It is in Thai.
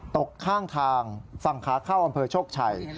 ตกข้างทางฝั่งขาเข้าอำเภอโชคชัย